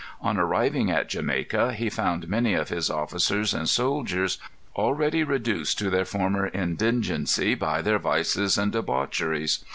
On arriving at Jamaica, he found many of his officers and soldiers already reduced to their former indigency by their vices and debaucheries.